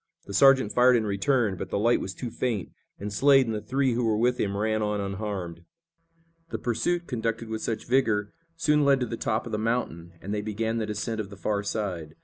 The sergeant fired in return, but the light was too faint, and Slade and the three who were with him ran on unharmed. The pursuit, conducted with such vigor, soon led to the top of the mountain, and they began the descent of the far side.